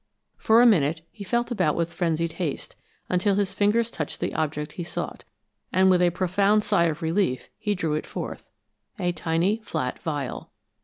For a minute he felt about with frenzied haste, until his fingers touched the object he sought, and with a profound sigh of relief he drew it forth a tiny flat vial.